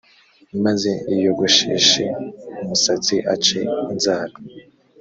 maze yiyogosheshe umusatsi, ace inzara,